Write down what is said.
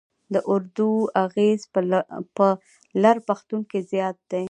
د اردو اغېز په لر پښتون کې زیات دی.